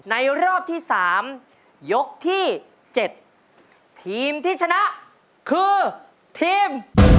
ในรอบที่สามยกที่เจ็ดทีมที่ชนะคือทีม